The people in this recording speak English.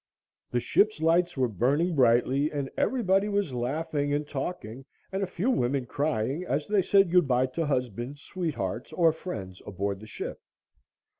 The ship's lights were burning brightly and everybody was laughing and talking, and a few women crying as they said goodby to husbands, sweethearts or friends aboard the ship.